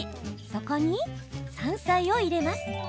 そこに山菜を入れます。